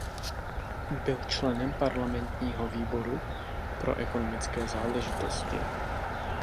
Byl členem parlamentního výboru pro ekonomické záležitosti.